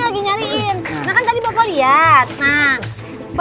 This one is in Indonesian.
terus kita nih lagi nyariin